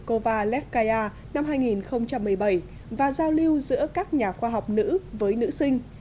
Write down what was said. kovalevkkaya năm hai nghìn một mươi bảy và giao lưu giữa các nhà khoa học nữ với nữ sinh